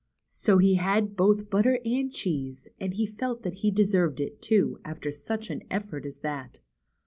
So he had both hotter and cheese, and he felt that he de served it, too, after such an effort as that.